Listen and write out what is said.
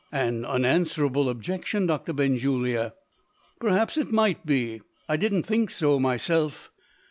"An unanswerable objection, Doctor Benjulia!" "Perhaps it might be. I didn't think so myself.